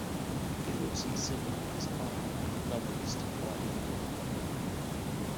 He lives in Sydney with his partner, the novelist Mardi McConnochie.